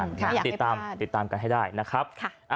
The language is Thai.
อยากให้พาติดตามกันให้ได้นะครับ